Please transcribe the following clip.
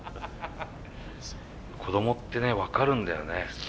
子供ってね分かるんだよね。